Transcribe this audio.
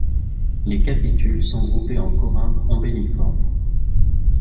Les capitules sont groupés en corymbe ombelliforme.